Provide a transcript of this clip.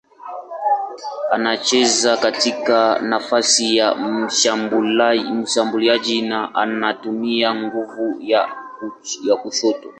Anacheza katika nafasi ya mshambuliaji na anatumia mguu wa kushoto.